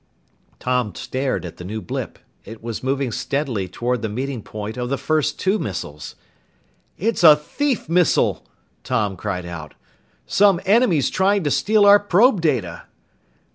Tom stared at the new blip. It was moving steadily toward the meeting point of the first two missiles! "It's a thief missile!" Tom cried out. "Some enemy's trying to steal our probe data!"